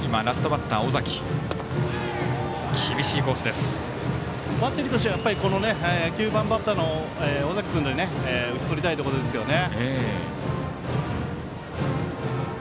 バッテリーとしては９番バッターの尾崎君で打ち取りたいところですよね。